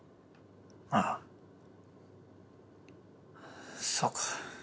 ああそう。